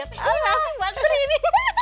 apaan sih buat sri ini